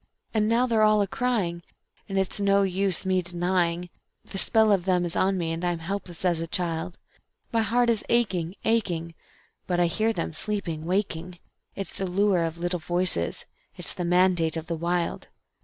And now they're all a crying, and it's no use me denying; The spell of them is on me and I'm helpless as a child; My heart is aching, aching, but I hear them, sleeping, waking; It's the Lure of Little Voices, it's the mandate of the Wild.